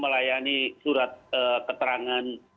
melayani surat keterangan